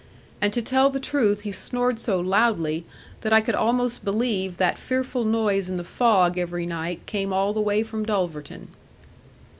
And to tell the truth he snored so loudly, that I could almost believe that fearful noise in the fog every night came all the way from Dulverton.